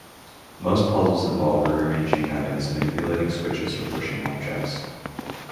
Most puzzles involve rearranging items, manipulating switches, or pushing objects.